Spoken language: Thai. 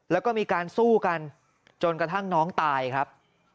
แล้วก็มีการสู้กันจนกระทั่งน้องตายครับ